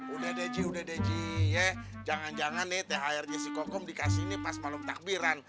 udah deh udah deh ji ya jangan jangan nih thr jesi kokom dikasih ini pas malam takbiran